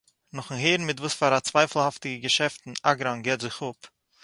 נאכ'ן הערן מיט וואספארא צווייפלהאפטיגע געשעפטן אגראן גיט זיך אפּ